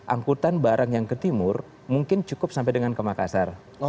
angkutan barang yang ke timur mungkin cukup sampai dengan ke makassar